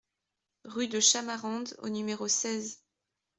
Rue de Chamarandes au numéro seize